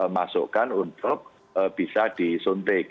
masukkan untuk bisa disuntik